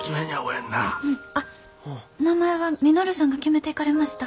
あっ名前は稔さんが決めていかれました。